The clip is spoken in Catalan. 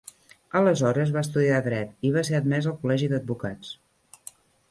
Aleshores, va estudiar dret i va ser admès al col·legi d'advocats.